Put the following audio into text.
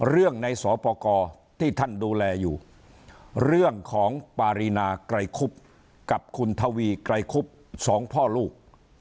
เรื่องในสอปกรที่ท่านดูแลอยู่เรื่องของปารีนาไกรคุบกับคุณทวีไกรคุบสองพ่อลูก